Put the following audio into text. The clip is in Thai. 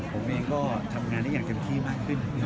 ผมเองก็ทำงานที่อย่างจำกี้มากขึ้น